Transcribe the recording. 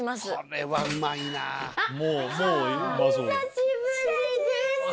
久しぶりです。